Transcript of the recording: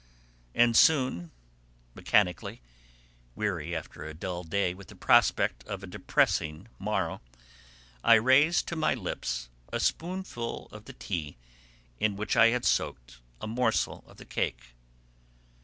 And soon, mechanically, weary after a dull day with the prospect of a depressing morrow, I raised to my lips a spoonful of the tea in which I had soaked a morsel of the cake.